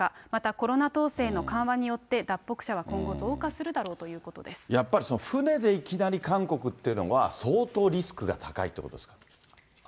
コロナ統制の緩和によって、脱北者は今後増加するだろうというこやっぱり船でいきなり韓国っていうのは、相当リスクが高いってことですか。